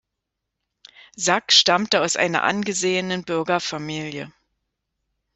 Sack stammte aus einer angesehenen Bürgerfamilie.